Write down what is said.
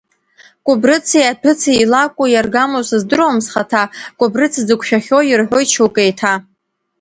Кәыбрыци аҭәыци илакәу, иаргамоу сыздыруам схаҭа, Кәыбрыц дзықәшәахьоу ирҳәоит шьоук еиҭа.